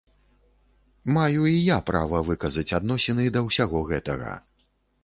Маю і я права выказаць адносіны да ўсяго гэтага.